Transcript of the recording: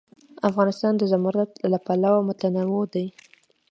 افغانستان د زمرد له پلوه متنوع دی.